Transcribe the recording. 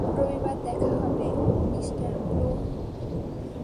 রবিবার দেখা হবে, মিঃ ব্লুম।